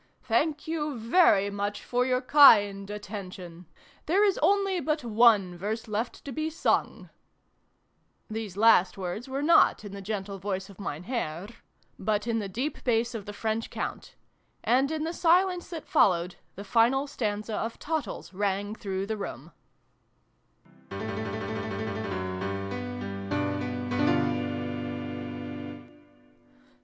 Thank you very much for your kind attention. There is only but one verse left to be sung !" These last words were not in the gentle voice of Mein Herr, but in 248 SYLVIE AND BRUNO CONCLUDED. the deep bass of the French Count. And, in the silence that followed, the final stanza of ' Tottles ' rang through the room.